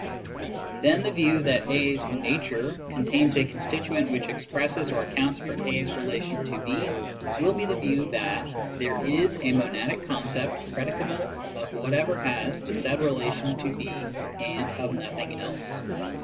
Then the view that a's "nature" contains a constituent which ex presses or accounts for a's relation to b will be the view that there is a monadic concept predicable of whatever has the said relation to b and of nothing else.